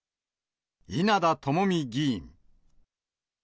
稲田朋美議員。